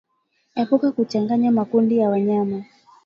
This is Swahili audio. Epuka kuchanganya makundi ya wanyama